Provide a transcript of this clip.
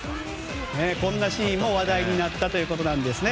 こんなシーンも話題になったということなんですね。